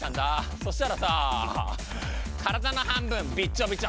そしたらさ体の半分びっちょびちょ。